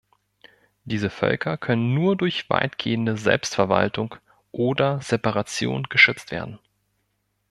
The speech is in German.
Diese Völker können nur durch weitgehende Selbstverwaltung oder Separation geschützt werden.